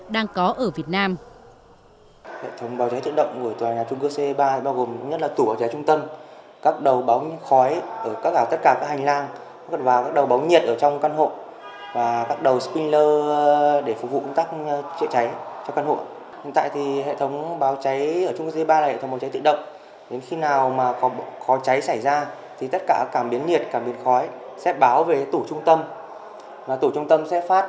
đang có ở việt nam